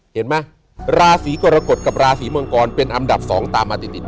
เห็นมั้ยราศรีกรกฎกับราศรีมังกรเป็นอันดับสองตามมาติด